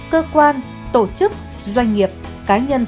ba cơ quan tổ chức doanh nghiệp cá nhân